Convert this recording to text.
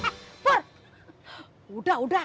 nah perkenalkan ya pak